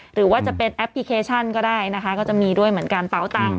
หรือว่าจะเป็นแอปพลิเคชันก็ได้นะคะก็จะมีด้วยเหมือนกันเป๋าตังค